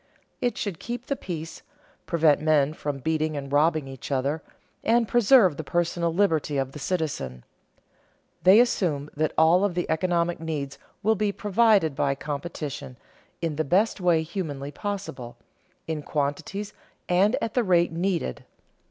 It should keep the peace, prevent men from beating and robbing each other, and preserve the personal liberty of the citizen. They assume that all of the economic needs will be provided by competition, in the best way humanly possible, in quantities and at the rate needed.